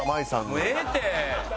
もうええって！